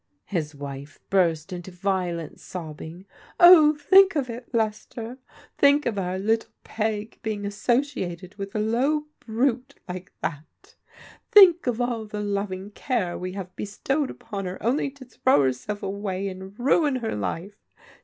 His wife burst into violent sobbing. "Oh, think of it, Lester, think of our little Peg being associ^X^A. 'wfia. ^ 168 PBODIGAL DAUGHTERS low brute like that ; think of all the loving care we hav^ bestowed upon her only to throw herself away, and ruia her life!